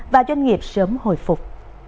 và doanh nghiệp sớm hồi phục